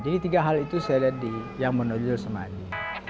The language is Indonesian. jadi tiga hal itu saya lihat di yang menonjol sama adi